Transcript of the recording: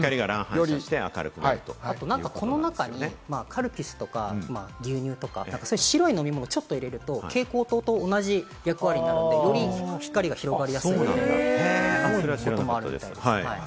あと、この中にカルピスとか牛乳とか、白い飲み物をちょっと入れると蛍光灯と同じ状態になるので、より光が広がりやすくなるんです。